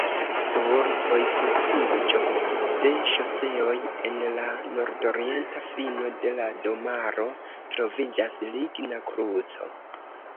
Sur vojkruciĝo de ŝoseoj en la nordorienta fino de la domaro troviĝas ligna kruco.